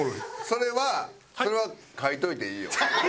それはそれは書いといていいよ。